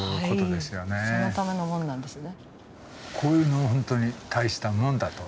そのための門なんですね。